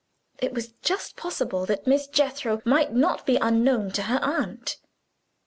It was just possible that Miss Jethro might not be unknown to her aunt.